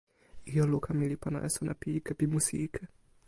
ijo luka ni li pana e sona pi ike pi musi ike.